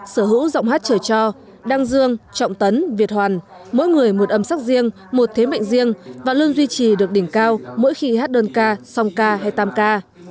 sở hữu giọng hát trở cho đăng dương trọng tấn việt hoàn mỗi người một âm sắc riêng một thế mệnh riêng và luôn duy trì được đỉnh cao mỗi khi hát đơn ca song ca hay tam ca